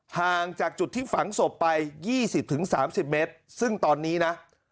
ห่างจากจุดที่ฝังศพไป๒๐๓๐เมตรซึ่งตอนนี้นะ